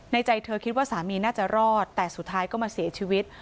ใจเธอคิดว่าสามีน่าจะรอดแต่สุดท้ายก็มาเสียชีวิต